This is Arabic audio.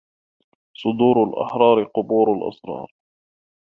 صدور الأحرار قبور الأسرار